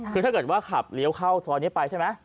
คือถ้าเกิดว่าขับเลี้ยวเข้าซอยนี้ไปใช่ไหม